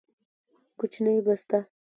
کوچنۍ بسته